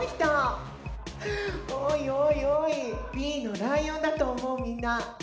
Ｂのライオンだと思うみんな！